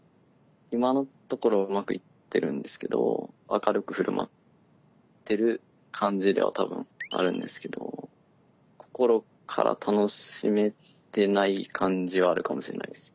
今のところはうまくいってるんですけど明るくふるまってる感じでは多分あるんですけど心から楽しめてない感じはあるかもしれないです。